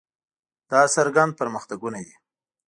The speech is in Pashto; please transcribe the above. دا څرګند پرمختګونه دي.